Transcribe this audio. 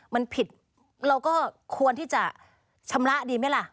มันผิดเราก็ควรที่จะชำระดีไหมล่ะ